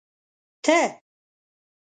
ته